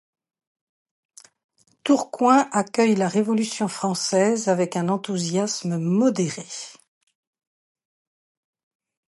Tourcoing accueille la Révolution française avec un enthousiasme modéré.